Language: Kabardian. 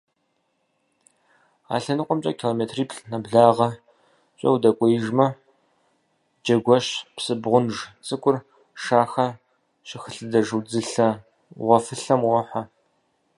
А лъэныкъуэмкӀэ километриплӀ нэблагъэкӀэ удэкӀуеижмэ, Джэгуэщ псы бгъунж цӀыкӀур Шахэ щыхэлъэдэж удзылъэ гъуэфылъэм уохьэ.